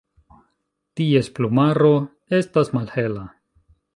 Ties plumaro estas malhela.